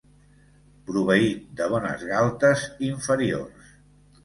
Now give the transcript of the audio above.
Proveït de bones galtes inferiors.